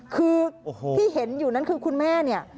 คือที่เห็นอยู่นั้นคือคุณแม่เนี่ย